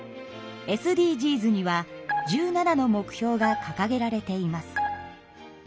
ＳＤＧｓには１７の目標がかかげられています。